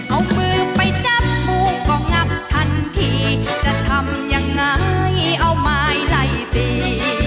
เอามือไปจับมูกก็งับทันทีจะทำยังไงเอาไม้ไล่ตี